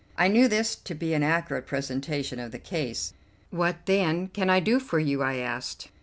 I knew this to be an accurate presentation of the case. "What, then, can I do for you?" I asked.